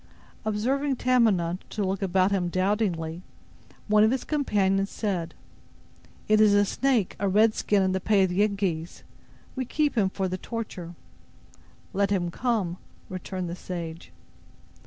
Observing Tamenund to look about him doubtingly, one of his companions said: "It is a snake—a red skin in the pay of the Yengeese. We keep him for the torture." "Let him come," returned the sage.